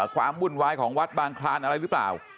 ความวุ่นวายของวัดบางคลานอะไรหรือเปล่า